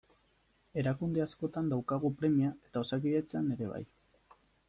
Erakunde askotan daukagu premia eta Osakidetzan ere bai.